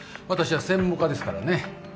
私は専門家ですからね。